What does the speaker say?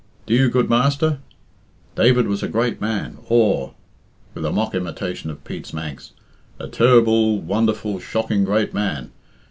Do you good, mister. David was a great man. Aw" (with a mock imitation of Pete's Manx), "a ter'ble, wonderful, shocking great man.